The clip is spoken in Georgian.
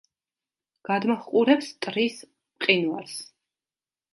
გადმოჰყურებს ტრის მყინვარს.